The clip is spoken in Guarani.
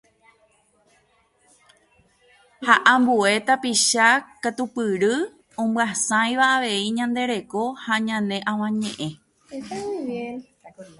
ha ambue tapicha katupyry omyasãiva avei ñande reko ha ñane Avañe'ẽ